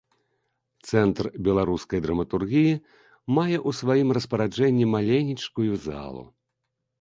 Цэнтр беларускай драматургіі мае ў сваім распараджэнні маленечкую залу.